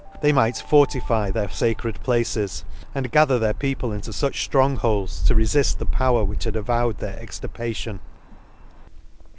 91 fortify their facred places, and gather their people into fuch flrong holds, to refift the power which had avowed their extirpation.